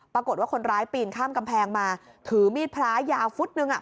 ปรากฏว่าคนร้ายปีนข้ามกำแพงมาถือมีดพระยาวฟุตนึง